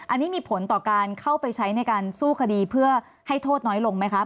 อันนี้มีผลต่อการเข้าไปใช้ในการสู้คดีเพื่อให้โทษน้อยลงไหมคะ